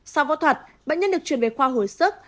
sau phẫu thuật bệnh nhân được chuyển về khoa hồi sức